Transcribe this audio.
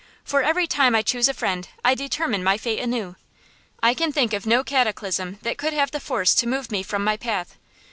For every time I choose a friend I determine my fate anew. I can think of no cataclysm that could have the force to move me from my path.